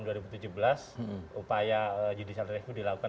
upaya judisial review dilakukan oleh sekelompok masyarakat